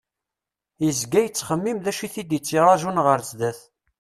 Yezga yettxemmim d acu it-id-ttrajun ɣer sdat.